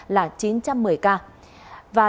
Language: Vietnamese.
là chín trăm một mươi ca